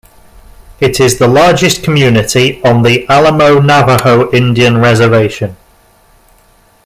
It is the largest community on the Alamo Navajo Indian Reservation.